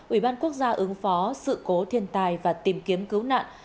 ủy ban quốc gia ứng phó sự cố thiên tai và tìm kiếm cứu nạn